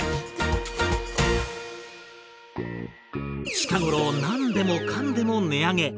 近頃何でもかんでも値上げ。